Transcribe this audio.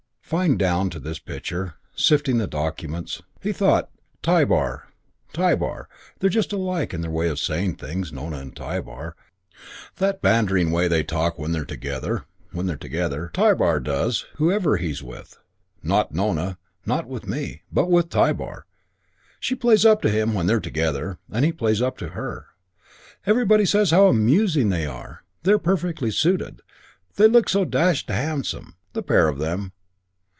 Fined down towards this picture, sifting the documents. He thought, "Tybar Tybar. They're just alike in their way of saying things, Nona and Tybar. That bantering way they talk when they're together when they're together. Tybar does, whoever he's with. Not Nona. Not with me. But with Tybar. She plays up to him when they're together. And he plays up to her. Everybody says how amusing they are. They're perfectly suited. They look so dashed handsome, the pair of them.